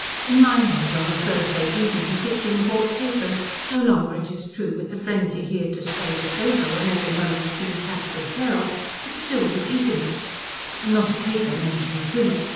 In Minehead on the Thursday evening Fritzing bought papers, no longer it is true with the frenzy he had displayed at Dover when every moment seemed packed with peril, but still with eagerness; and not a paper mentioned Kunitz.